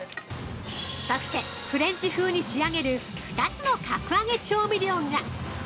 ◆そしてフレンチ風に仕上げる２つの格上げ調味料が。